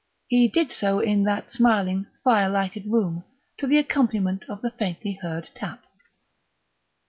He did so in that smiling, fire lighted room, to the accompaniment of the faintly heard tap.